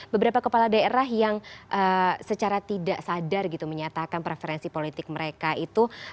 beberapa kepala daerah yang secara tidak sadar gitu menyatakan preferensi politik mereka itu